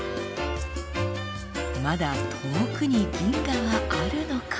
まだ遠くに銀河はあるのか？